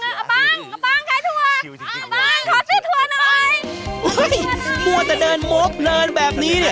เฮ่ยหัวแต่เดินโมปเดินแบบนี้